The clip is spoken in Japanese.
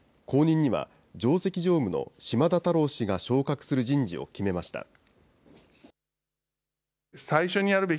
後任には、上席常務の島田太郎氏が昇格する人事を決めました。